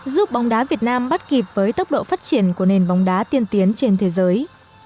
giúp bóng đá việt nam bắt kịp với tốc độ phát triển của nền bóng đá tiên tiến trên thế giới